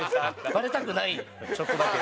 バレたくないちょっとだけ。